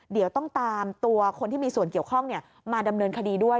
เดี๋ยวต้องตามตัวคนที่มีส่วนเกี่ยวข้องมาดำเนินคดีด้วย